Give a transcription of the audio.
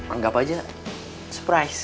anggap aja surprise